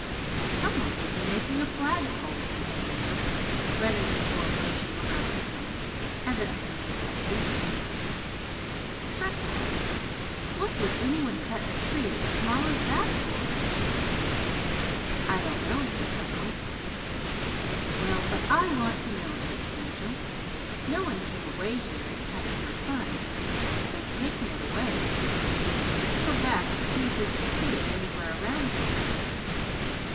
"Someone has been making a flagpole," said the Angel, running the toe of her shoe around the stump, evidently made that season. "Freckles, what would anyone cut a tree as small as that for?" "I don't know," said Freckles. "Well, but I want to know!" said the Angel. "No one came away here and cut it for fun. They've taken it away. Let's go back and see if we can see it anywhere around there."